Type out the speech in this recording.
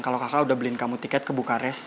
kalo kakak udah beliin kamu tiket ke bukares